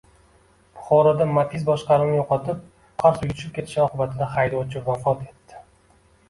Buxoroda Matiz boshqaruvni yo‘qotib, oqar suvga tushib ketishi oqibatida haydovchi vafot etdi